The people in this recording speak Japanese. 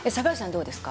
どうですか？